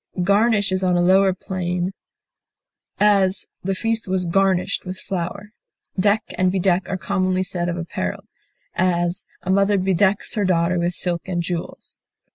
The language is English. Garnish is on a lower plane; as, the feast was garnished with flowers. Deck and bedeck are commonly said of apparel; as, a mother bedecks her daughter with silk and jewels.